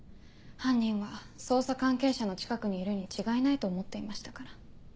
犯人は捜査関係者の近くにいるに違いないと思っていましたから。